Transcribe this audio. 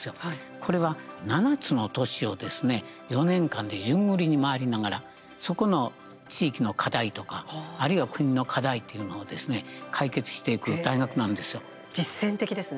これは７つの都市をですね４年間で順繰りに回りながらそこの地域の課題とか、あるいは国の課題というのをですね実践的ですね。